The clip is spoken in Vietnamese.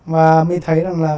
và mình thấy rằng là